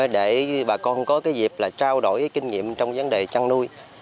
để bà con có dịp trao đổi kinh nghiệm trong vấn đề chăn nuôi